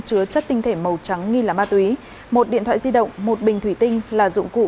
chứa chất tinh thể màu trắng nghi là ma túy một điện thoại di động một bình thủy tinh là dụng cụ